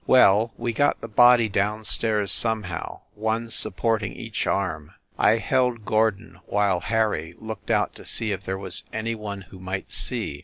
Well, we got the body down stairs somehow, one supporting each arm. ... I held Gordon while Harry looked out to see if there was any one who might see